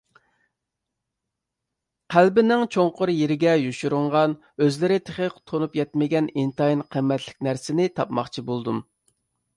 قەلبىنىڭ چوڭقۇر يېرىگە يوشۇرۇنغان، ئۆزلىرى تېخى تونۇپ يەتمىگەن ئىنتايىن قىممەتلىك نەرسىنى تاپماقچى بولدۇم.